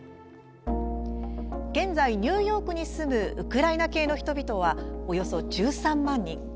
現在、ニューヨークに住むウクライナ系の人々はおよそ１３万人。